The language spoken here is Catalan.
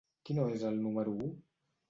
Qui no és el número u?